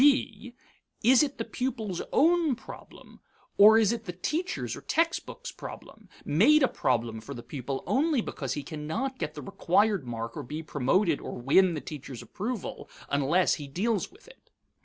(b) Is it the pupil's own problem, or is it the teacher's or textbook's problem, made a problem for the pupil only because he cannot get the required mark or be promoted or win the teacher's approval, unless he deals with it?